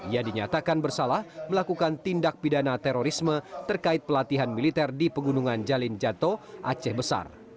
ia dinyatakan bersalah melakukan tindak pidana terorisme terkait pelatihan militer di pegunungan jalin jato aceh besar